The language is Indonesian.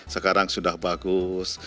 sekarang sudah bagus